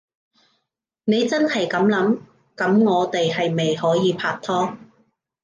你真係噉諗？噉我哋係咪可以拍拖？